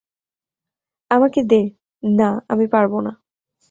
আমাকে দে - না, আমি পারব না।